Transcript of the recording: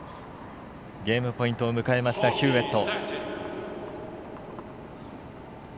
ゲームポイントを迎えましたヒューウェット。